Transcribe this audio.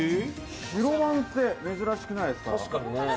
しろまんって珍しくないですか。